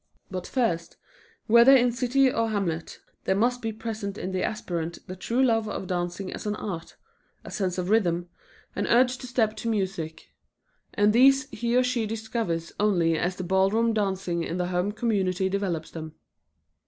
But first, whether in city or hamlet, there must be present in the aspirant the true love of dancing as an art, a sense of rhythm, an urge to step to music, and these he or she discovers only as the ballroom dancing in the home community develops them.